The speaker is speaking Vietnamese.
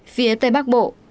phía tây bắc bộ